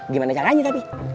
gimana caranya tapi